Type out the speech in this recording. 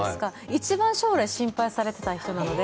一番将来心配されてた人なので。